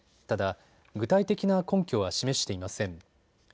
ただ具体的な根拠は示していません。